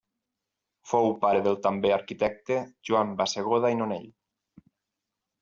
Fou pare del també arquitecte Joan Bassegoda i Nonell.